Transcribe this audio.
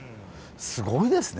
すごいですね